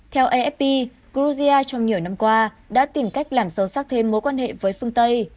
theo afp georgia trong nhiều năm qua đã tìm cách làm sâu sắc thêm mối quan hệ với phương tây